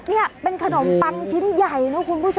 นี่เป็นขนมปังชิ้นใหญ่นะคุณผู้ชม